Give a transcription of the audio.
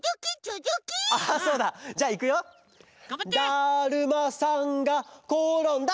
だるまさんがころんだ！